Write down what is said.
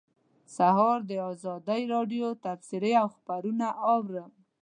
سهار د ازادۍ راډیو تبصرې او خبرونه اوري.